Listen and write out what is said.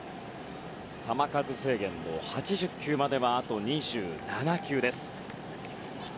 球数制限の８０球まではあと２７球です。